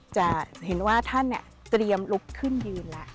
จะเห็นว่าท่านเตรียมลุกขึ้นยืนแล้ว